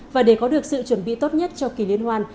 và để có được sự chuẩn bị tốt nhất cho kỳ liên hoan